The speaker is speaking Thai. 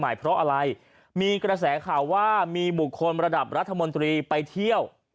เพราะอะไรมีกระแสข่าวว่ามีบุคคลระดับรัฐมนตรีไปเที่ยว